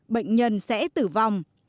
bệnh nhân sẽ tử vong